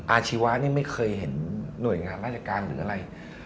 อาชีวะนี่ไม่เคยเห็นหน่วยงานราชการหรืออะไร